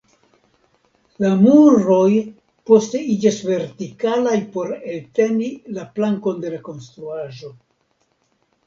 La muroj poste iĝas vertikalaj por elteni la plankon de la konstruaĵo.